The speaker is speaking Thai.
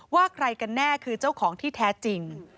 ว่าใครกันแน่คือเจ้าของที่แท้จริง